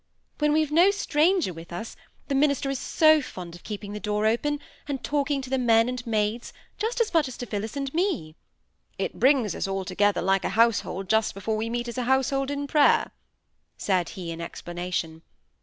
"When we've no stranger with us, the minister is so fond of keeping the door open, and talking to the men and maids, just as much as to Phillis and me. "It brings us all together like a household just before we meet as a household in prayer," said he, in explanation.